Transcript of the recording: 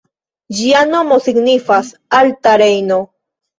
Ĝia nomo signifas “alta Rejno”.